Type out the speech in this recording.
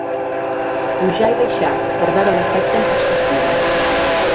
Pujar i baixar, per veure l'efecte en perspectiva